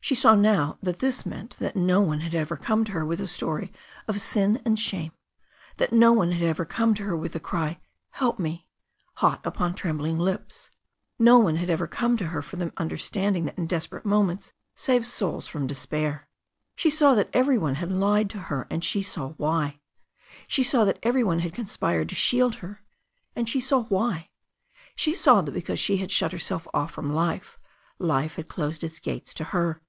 She saw now that this meant that no one had ever come to her with a story of sin and shame, that no one had ever come to her with the cry "Help me" hot upon trembling lips. No one 348 THE STORY OF A NEW ZEALAND RIVER had ever come to her for the understanding that in des^ perate moments saves souls from despair. She saw that every one had lied to her and she saw why. She saw that every one had conspired to shield her and she saw why. She saw that because she had shut herself off from life life had closed its gates to her.